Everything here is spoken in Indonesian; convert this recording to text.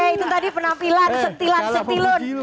itu tadi penampilan setilan setilun